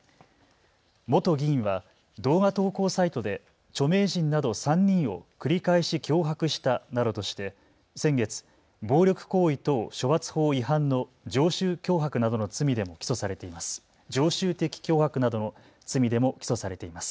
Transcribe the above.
元議員は動画投稿サイトで著名人など３人を繰り返し脅迫したなどとして先月、暴力行為等処罰法違反の常習脅迫などの罪でも起訴されています。